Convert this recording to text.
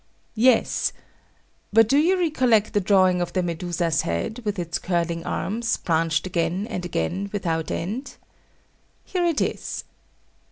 Yes. But do you recollect the drawing of the Medusa's head, with its curling arms, branched again and again without end? Here it is.